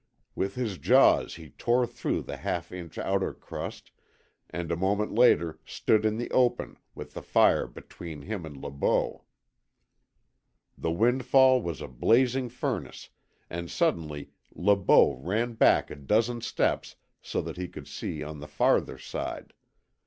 With his jaws he tore through the half inch outer crust, and a moment later stood in the open, with the fire between him and Le Beau. The windfall was a blazing furnace, and suddenly Le Beau ran back a dozen steps so that he could see on the farther side.